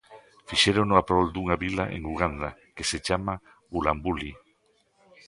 Fixérono a prol dunha vila en Uganda que se chama Bulambuli.